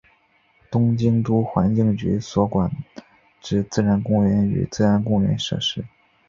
东京都环境局所管之自然公园与自然公园设施。